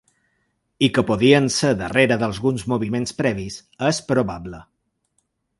I que podien ser darrere d’alguns moviments previs és probable.